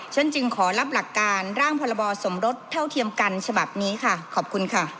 ฉันจึงขอรับหลักการร่างพรบสมรสเท่าเทียมกันฉบับนี้ค่ะขอบคุณค่ะ